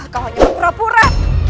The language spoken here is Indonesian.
kau hanya pura pura